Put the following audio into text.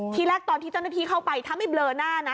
ทีแรกตอนที่เจ้านาทีเข้าไปทำให้เฟลอหน้านะ